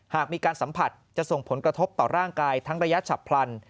หากมีการสัมผัสจะส่งผลกระทบต่อร่างกายทั้งระยะฉับพลัน